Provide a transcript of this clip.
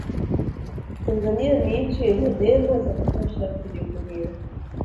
tanzania ni nchi yenye neema za kutosha kujivunia